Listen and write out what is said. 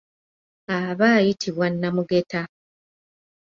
Aba ayitibwa namugeta.